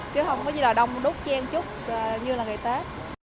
chứ không có gì là đông đúc chen chút như là ngày tết